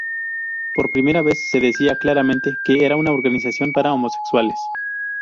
Por primera vez se decía claramente que era una organización para homosexuales.